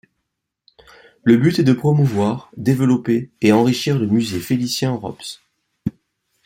Le but est de promouvoir, développer et enrichir le musée Félicien Rops.